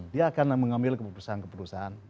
dia akan mengambil keputusan keputusan